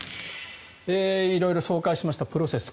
色々紹介しましたプロセス